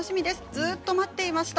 ずっと待っていました。